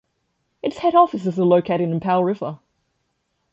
Its head offices are located in Powell River.